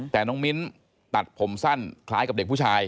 แต่น้องมิ้นตัดผมสั้นคล้ายกับเด็กผู้ชาย